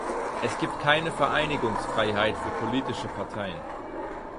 Es gibt keine Vereinigungsfreiheit für politische Parteien.